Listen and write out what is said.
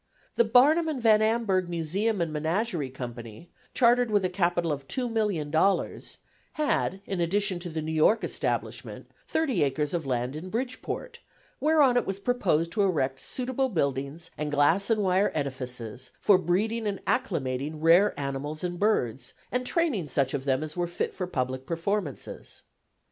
"The Barnum and Van Amburgh Museum and Menagerie Company," chartered with a capital of $2,000,000 had, in addition to the New York establishment, thirty acres of land in Bridgeport, whereon it was proposed to erect suitable buildings and glass and wire edifices for breeding and acclimating rare animals and birds, and training such of them as were fit for public performances.